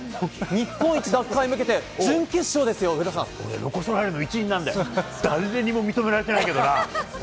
日本一奪還へ向けて、準決勝です俺、ロコ・ソラーレの一員なんだよ、誰にも認められてないけどな。